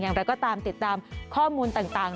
อย่างไรก็ตามติดตามข้อมูลต่าง